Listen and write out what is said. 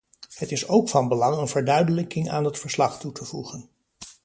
Het is ook van belang een verduidelijking aan het verslag toe te voegen.